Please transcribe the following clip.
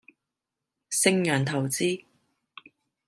盛洋投資